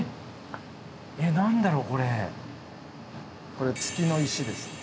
これ月の石です。